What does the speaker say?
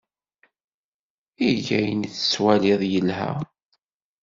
Eg ayen tettwaliḍ yelha.